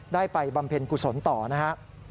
ไปบำเพ็ญกุศลต่อนะครับ